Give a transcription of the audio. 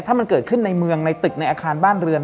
ถ้ามันเกิดขึ้นในเมืองในตึกในอาคารบ้านเรือน